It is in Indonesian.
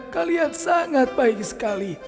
kalian sangat baik sekali